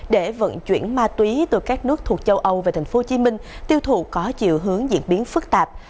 để vận chuyển ma túy từ các nước thuộc châu âu về tp hcm tiêu thụ có chiều hướng diễn biến phức tạp